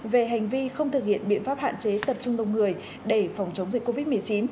về hành vi không thực hiện biện pháp hạn chế tập trung đông người để phòng chống dịch covid một mươi chín